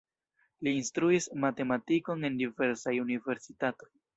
Li instruis matematikon en diversaj universitatoj.